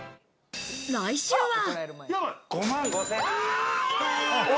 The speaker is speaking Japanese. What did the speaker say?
来週は。